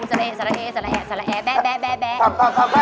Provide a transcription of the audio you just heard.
สละแอนสละเอสละแอนสละแอนแบ๊ะ